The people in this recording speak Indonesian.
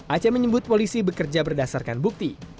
aceh menyebut polisi bekerja berdasarkan bukti